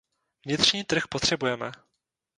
Vnitřní trh potřebujeme.